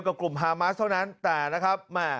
กับกลุ่มฮามาสเท่านั้นแต่นะครับ